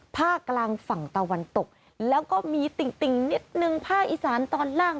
ภาคกลางฝั่งตะวันตกแล้วก็มีติ่งนิดนึงภาคอีสานตอนล่าง